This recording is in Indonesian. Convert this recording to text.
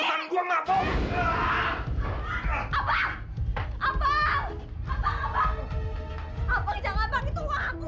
sebenernya ayu juga sebel kak sama bapak dan ibu